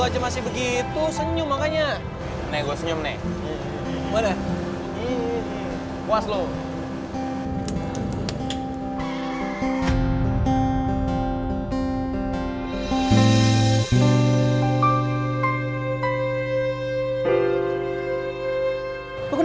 walaupun ibu salama tuh ya nyebelin kadang suka bawel